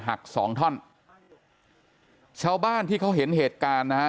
หักสองท่อนชาวบ้านที่เขาเห็นเหตุการณ์นะฮะ